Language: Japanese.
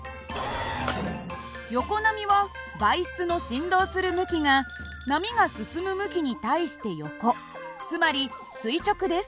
横波は媒質の振動する向きが波が進む向きに対して横つまり垂直です。